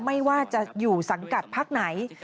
ไม่ว่าจะอยู่สังกัดพักไหน